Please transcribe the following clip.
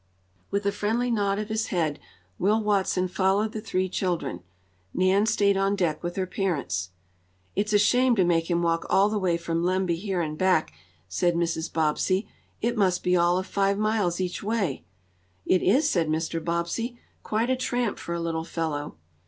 With a friendly nod of his head Will Watson followed the three children. Nan stayed on deck with her parents. "It's a shame to make him walk all the way from Lemby here and back," said Mrs. Bobbsey. "It must be all of five miles each way." "It is," said Mr. Bobbsey. "Quite a tramp for a little fellow."